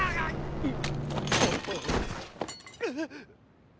うっ。